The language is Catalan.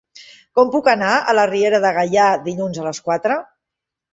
Com puc anar a la Riera de Gaià dilluns a les quatre?